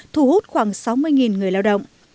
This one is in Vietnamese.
thu hút khoảng sáu mươi người lao động